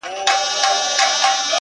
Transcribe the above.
پرېميږده . پرېميږده سزا ده د خداى.